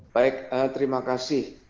baik terima kasih